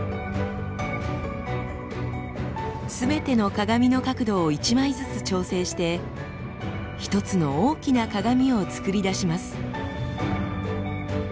すべての鏡の角度を一枚ずつ調整して一つの大きな鏡を造り出します。